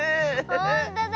ほんとだ。